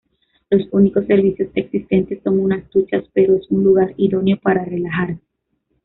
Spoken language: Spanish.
Los únicos servicios existentes son unas duchas pero es un lugar idóneo para relajarse.